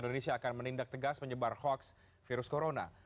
indonesia akan menindak tegas penyebar hoax virus corona